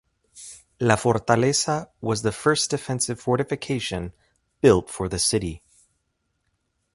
La Fortaleza was the first defensive fortification built for the city.